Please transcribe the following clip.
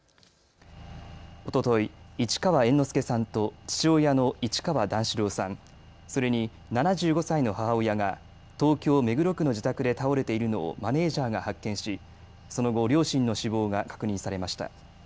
おととい市川猿之助さんと父親の市川段四郎さん、それに７５歳の母親が東京目黒区の自宅で倒れているのをマネージャーが発見しその後、両親の死亡が確認されました。